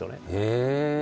へえ！